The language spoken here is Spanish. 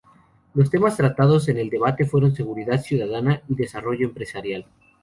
Los temas tratados en el debate fueron seguridad ciudadana y desarrollo empresarial.